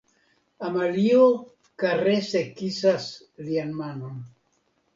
Amalio karese kisas lian manon.